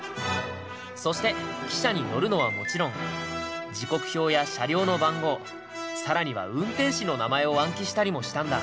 そして汽車に乗るのはもちろん時刻表や車両の番号さらには運転士の名前を暗記したりもしたんだ。